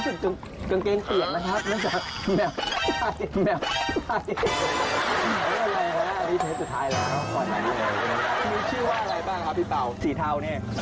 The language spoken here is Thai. มีชื่อว่าอะไรบ้างครับพี่เปา